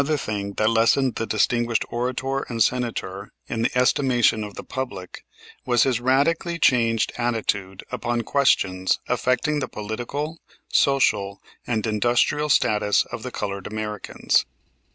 Another thing that lessened the distinguished orator and Senator in the estimation of the public was his radically changed attitude upon questions affecting the political, social and industrial status of the colored Americans.